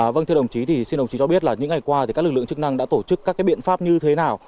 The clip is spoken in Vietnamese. vâng thưa đồng chí thì xin đồng chí cho biết là những ngày qua các lực lượng chức năng đã tổ chức các biện pháp như thế nào